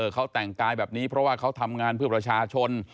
เขาแต่งกายแบบนี้เพราะว่าเขาทำงานเพื่อประชาชน